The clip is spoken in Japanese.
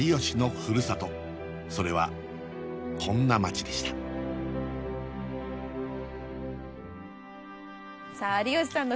それはこんな町でしたさあ有吉さんの故郷